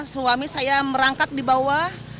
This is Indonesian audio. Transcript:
suami saya merangkak di bawah